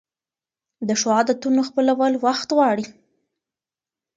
د ښو عادتونو خپلول وخت غواړي.